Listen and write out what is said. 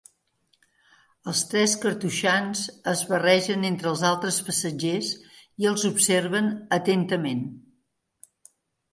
Els tres cartoixans es barregen entre els altres passatgers i els observen atentament.